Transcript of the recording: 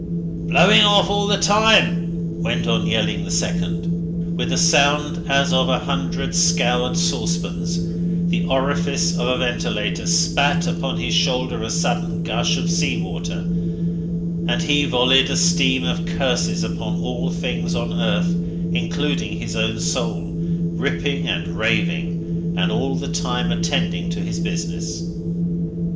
"Blowing off all the time," went on yelling the second. With a sound as of a hundred scoured saucepans, the orifice of a ventilator spat upon his shoulder a sudden gush of salt water, and he volleyed a stream of curses upon all things on earth including his own soul, ripping and raving, and all the time attending to his business.